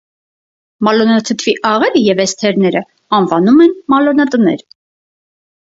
Մալոնաթթվի աղերը և էսթերները անվանում են մալոնատներ։